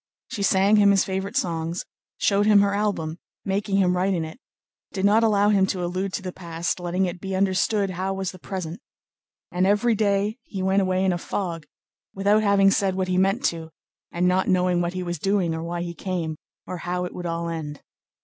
She sang him his favorite songs, showed him her album, making him write in it, did not allow him to allude to the past, letting it be understood how delightful was the present; and every day he went away in a fog, without having said what he meant to, and not knowing what he was doing or why he came, or how it would all end.